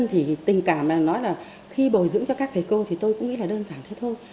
thì tình cảm mà nói là khi bồi dưỡng cho các thầy cô thì tôi cũng nghĩ là đơn giản thế thôi